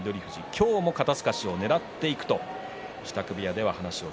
今日も肩すかしをねらっていくという翠富士です。